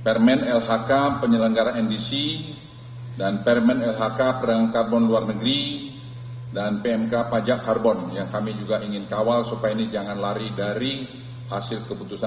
permen lhk penyelenggara ndc dan permen lhk perdagangan karbon luar negeri dan pmk pajak karbon yang kami juga ingin kawal supaya ini jangan lari dari hasil keputusan